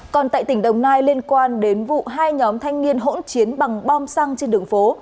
còn tại tỉnh đồng nai liên quan đến vụ hai nhóm thanh niên hỗn chiến bằng bom xăng trên đường phố